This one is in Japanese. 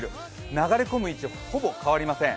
流れ込む位置はほぼ変わりません。